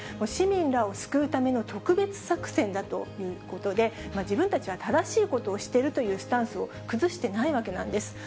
市民らを救うための特別作戦だということで、自分たちは正しいことをしているというスタンスを崩してないわけなんです。